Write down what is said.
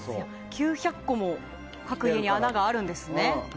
９００個も各家に穴があるんですね。